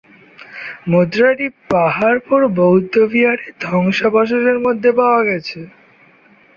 মুদ্রাটি পাহাড়পুর বৌদ্ধ বিহারের ধ্বংসাবশেষের মধ্যে পাওয়া গেছে।